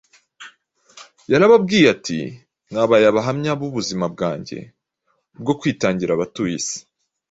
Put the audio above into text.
Yarababwiye ati: Mwabaye abahamya b’ubuzima bwanjye bwo kwitangira abatuye isi.